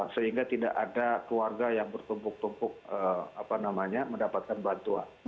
sehingga tidak ada keluarga yang bertumpuk tumpuk mendapatkan bantuan